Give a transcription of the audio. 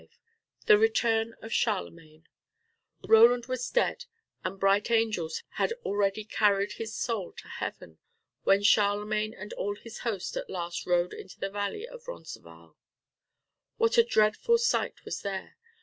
V THE RETURN OF CHARLEMAGNE Roland was dead and bright angels had already carried his soul to heaven, when Charlemagne and all his host at last rode into the valley of Roncesvalles. What a dreadful sight was there!